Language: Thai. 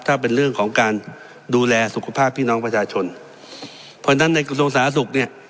ถ้าเป็นเรื่องของการดูแลสุขภาพพี่น้องประชาชนเพราะฉะนั้นในกระทรวงสาธารณสุขเนี่ย